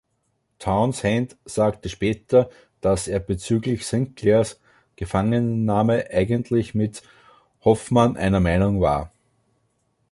Townshend sagte später, dass er bezüglich Sinclairs Gefangennahme eigentlich mit Hoffman einer Meinung war.